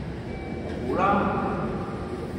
好啦